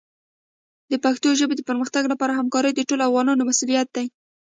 د پښتو ژبې د پرمختګ لپاره همکاري د ټولو افغانانو مسؤلیت دی.